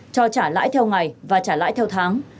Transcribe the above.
cho trả lãi theo ngày và trả lãi theo tháng